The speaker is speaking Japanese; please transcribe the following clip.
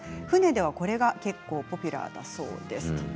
船ではこれが結構ポピュラーだそうです。